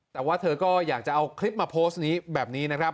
แต่ว่าเธอก็อยากจะเอาคลิปมาโพสต์นี้แบบนี้นะครับ